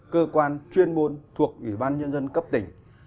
cơ quan chuyên môn thuộc ủy ban nhân dân cấp tỉnh